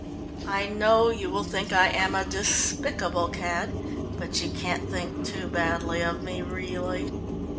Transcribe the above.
"I know you will think I am a despicable cad, but you can't think too badly of me, really."